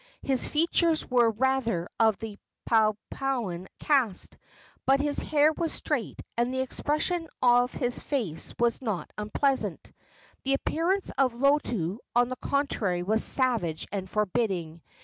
His features were rather of the Papuan cast, but his hair was straight, and the expression of his face was not unpleasant. The appearance of Lotu, on the contrary, was savage and forbidding.